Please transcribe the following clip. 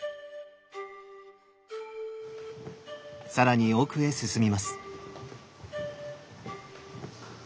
更に奥へ進みます。